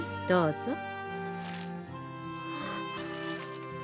どうぞ。